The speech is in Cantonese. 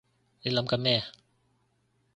你諗緊咩？